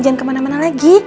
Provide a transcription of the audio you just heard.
jangan kemana mana lagi